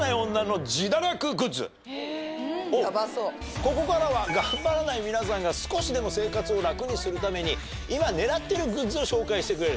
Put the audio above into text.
ここからは頑張らない皆さんが少しでも生活を楽にするために今狙ってるグッズを紹介してくれる。